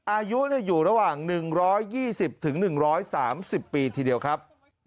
อายุอยู่ระหว่าง๑๒๐๑๓๐ปีทีเดียวครับ